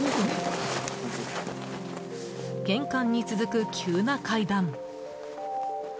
玄関に続く急な階段。